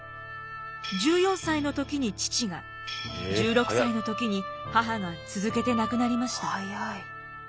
１４歳の時に父が１６歳の時に母が続けて亡くなりました。